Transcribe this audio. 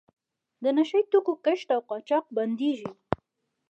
د نشه یي توکو کښت او قاچاق بندیږي.